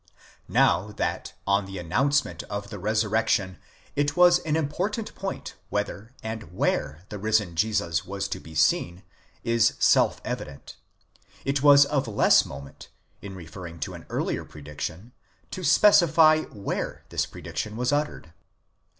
Now that on the announcement of the resurrection it was an important point whether and where the risen Jesus was to be seen, is self evident ; it was of less moment, in referring to an earlier prediction, to specify where this prediction was uttered.